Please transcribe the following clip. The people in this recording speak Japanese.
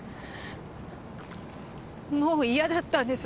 もう嫌だったんです。